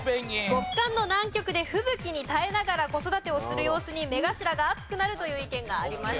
「極寒の南極で吹雪に耐えながら子育てをする様子に目頭が熱くなる」という意見がありました。